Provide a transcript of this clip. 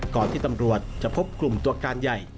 ก่อนที่ตำรวจจะพบกลุ่มตัวการใหญ่